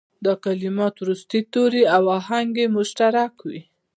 دا کلمات وروستي توري او آهنګ یې مشترک وي.